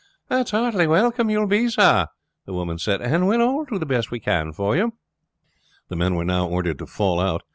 "It's heartily welcome you will be, sir," the woman said, "and we will all do the best we can for you." The men were now ordered to fall out.